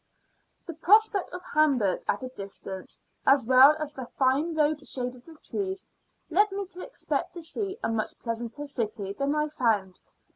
The prospect of Hamburg at a distance, as well as the fine road shaded with trees, led me to expect to see a much pleasanter city than I found.